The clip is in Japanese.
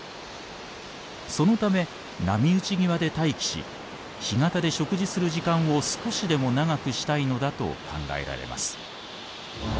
そのため波打ち際で待機し干潟で食事する時間を少しでも長くしたいのだと考えられます。